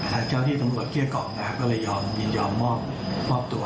ท่านเจ้าที่ตำรวจเกลี้ยกออกก็เลยยอมมอบตัว